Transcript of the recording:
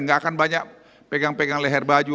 nggak akan banyak pegang pegang leher baju